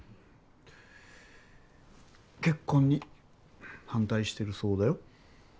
結婚に反対してるそうだよ。